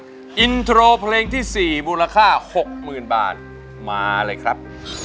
กินโทรเพลงที่สี่มูลค่าหกหมื่นบาทมาเลยครับ